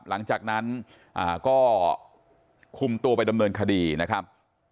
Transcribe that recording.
หลังจากนั้นก็คุมตัวไปดำเนินคดีนะครับ